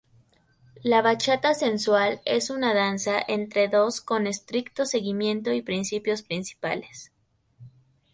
La bachata sensual es una danza entre dos con estricto seguimiento y principios principales.